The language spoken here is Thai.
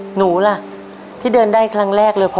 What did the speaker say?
หนูล่ะที่เดินได้ครั้งแรกเลยพ่อ